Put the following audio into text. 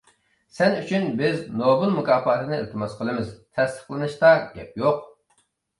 سەن ئۈچۈن بىز نوبېل مۇكاپاتىنى ئىلتىماس قىلىمىز، تەستىقلىنىشتا گەپ يوق.